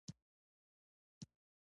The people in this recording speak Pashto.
يو سپين ږيری ور مخته شو.